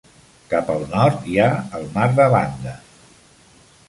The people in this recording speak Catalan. Cap al nord hi ha el mar de Banda.